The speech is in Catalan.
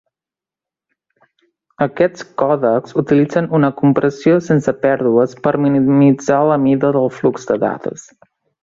Aquests còdecs utilitzen una compressió sense pèrdues per minimitzar la mida del flux de dades.